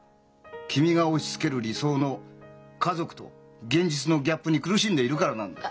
君が押しつける理想の家族と現実のギャップに苦しんでいるからなんだ。